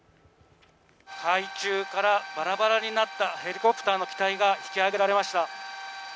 海中からバラバラになったヘリコプターの機体が引き揚げられました。